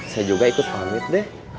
saya juga ikut pamit deh